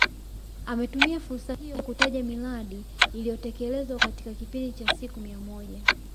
Ametumia fursa hiyo kutaja miradi iliyotekelezwa katika kipindi cha siku mia moja